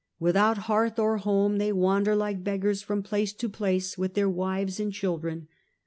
Without hearth or home, they wander like beggars from place to place with their wives and children.